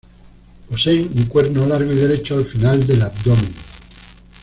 Poseen un cuerno largo y derecho al final del abdomen.